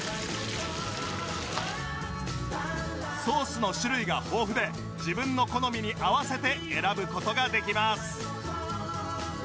ソースの種類が豊富で自分の好みに合わせて選ぶ事ができます